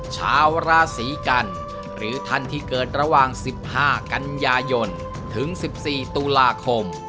ชาวราศีกัณฑ์หรือท่านที่เกิดระหว่างสิบห้ากัญญายนฯถึงสิบสี่ตุลาคม